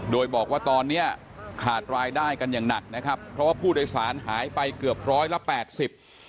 โดยบอกว่าตอนเนี้ยขาดรายได้กันอย่างหนักนะครับเพราะว่าผู้โดยสารหายไปเกือบร้อยละแปดสิบ